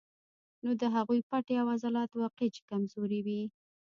نو د هغو پټې او عضلات واقعي چې کمزوري وي